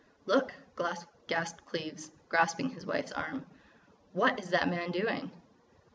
"Look!" gasped Cleves, grasping his wife's arm. "What is that man doing?"